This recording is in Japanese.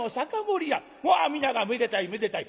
まあ皆が「めでたいめでたい」。